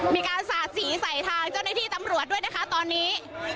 มีการสาดสีใส่ทางเจ้าหน้าที่ตำรวจด้วยนะคะตอนนี้